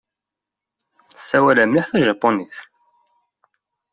Ssawaleɣ mliḥ tajapunit.